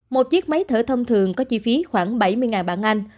một chiếc máy thở thông thường có chi phí khoảng bảy mươi bạn anh